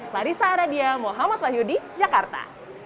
larissa aradia muhammad wahyudi jakarta